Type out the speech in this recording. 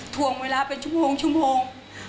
ถวงเวลาเป็นชั่วโมงชั่วโมง